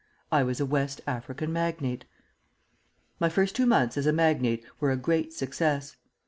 I was a West African magnate. My first two months as a magnate were a great success.